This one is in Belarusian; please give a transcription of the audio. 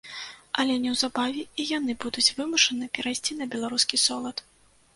Але неўзабаве і яны будуць вымушаны перайсці на беларускі солад.